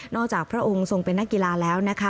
จากพระองค์ทรงเป็นนักกีฬาแล้วนะคะ